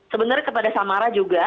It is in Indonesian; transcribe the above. sebenarnya kepada samara juga